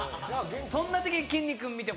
そんなときにきんに君見て。